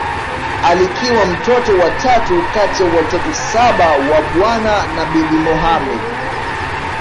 Alikiwa mtoto wa tatu kati ya watoto saba wa Bwana na Bibi Mohamed